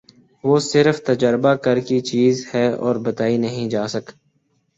وہ صرف تجربہ کر کی چیز ہے اور بتائی نہیں جاسک